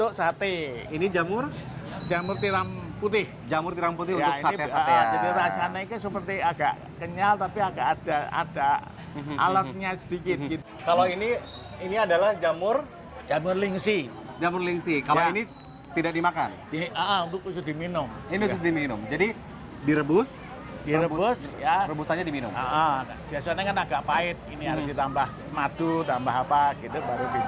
kesehatan di jejamuran setiap wisatawan bisa menikmati kelezatan olahan makanan dan minuman berbahan baku jamur